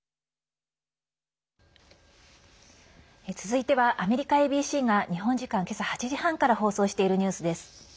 続いてはアメリカＡＢＣが日本時間、今朝８時半から放送しているニュースです。